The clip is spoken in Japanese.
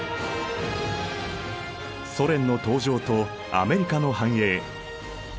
ソ連の登場とアメリカの繁栄。